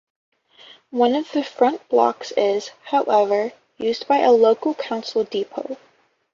One of the front blocks is, however, used by a local council depot.